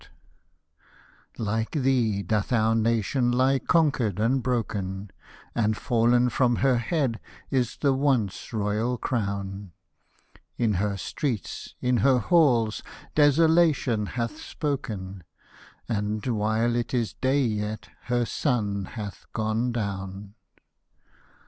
Hosted by Google THE PARALLEL 39 Like thee doth our nation lie conquered and broken, And fall'n from her head is the once royal crown ; In her streets, in her halls. Desolation hath spoken, And " while it is day yet, her sun hath gone down."